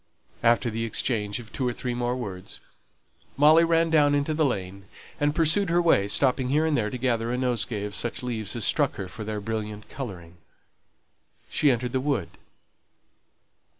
After the exchange of two or three more words, Molly ran down into the lane, and pursued her way, stopping here and there to gather a nosegay of such leaves as struck her for their brilliant colouring. She entered the wood.